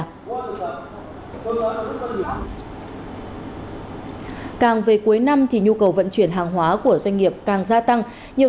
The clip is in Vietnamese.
càng về cuối năm nhu cầu vận chuyển hàng hóa của doanh nghiệp càng gia tăng nhiều